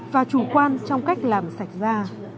và chủ quan trong cách làm sạch da